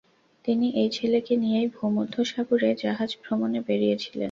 তিনি এই ছেলেকে নিয়েই ভূমধ্যসাগরে জাহাজ ভ্রমণে বেরিয়েছিলেন।